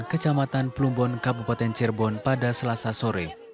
kecamatan plumbon kabupaten cirebon pada selasa sore